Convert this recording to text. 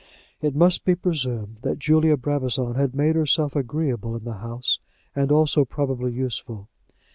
It must be presumed that Julia Brabazon had made herself agreeable in the house, and also probably useful.